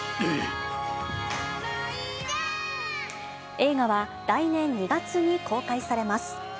映画は、来年２月に公開されます。